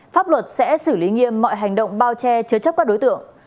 pháp luật sẽ xử lý nghiêm mọi hành động bao che chứa chấp các đối tượng